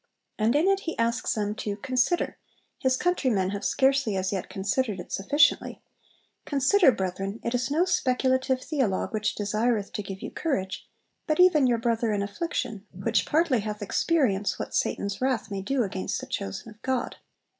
And in it he asks them to 'Consider' his countrymen have scarcely as yet considered it sufficiently 'Consider, brethren, it is no speculative theologue which desireth to give you courage, but even your brother in affliction, which partly hath experience what Satan's wrath may do against the chosen of God.'